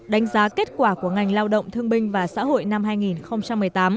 đánh giá kết quả của ngành lao động thương binh và xã hội năm hai nghìn một mươi tám